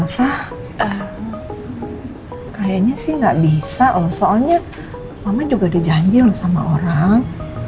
sah kayaknya sih gak bisa lho soalnya mama juga dijanji lho sama orang